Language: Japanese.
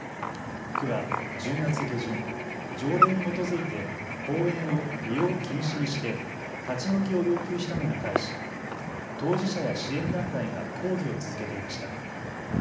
区は１０月下旬、条例に基づいて公園を利用禁止にして立ち退きを要求したのに対し当事者や支援団体が抗議を続けていました。